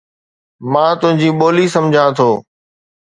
مان تنهنجي ٻولي سمجهان ٿو.